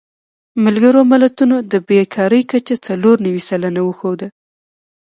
ملګرو ملتونو د بېکارۍ کچه څلور نوي سلنه وښوده.